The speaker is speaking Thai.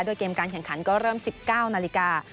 โดยเกมการแข่งขันก็เริ่ม๑๙นาฬิกา